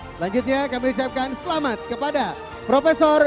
selanjutnya kami ucapkan selamat kepada profesor